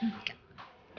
ini gak enak lah